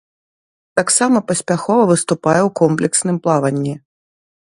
Таксама паспяхова выступае ў комплексным плаванні.